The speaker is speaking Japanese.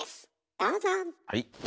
どうぞ。